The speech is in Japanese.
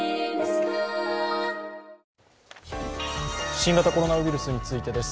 新型コロナウイルスについてです。